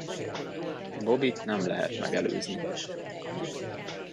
Bobbyt nem lehet megelőzni.